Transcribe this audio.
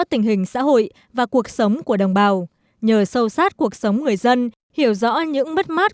tình hình xã hội và cuộc sống của đồng bào nhờ sâu sát cuộc sống người dân hiểu rõ những bất mát